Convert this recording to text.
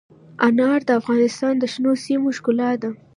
انار د افغانستان د شنو سیمو ښکلا ده.